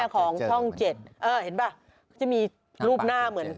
คนไหน